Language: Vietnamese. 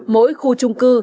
mỗi khu trung cư